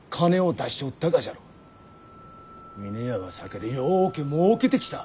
峰屋は酒でようけもうけてきた。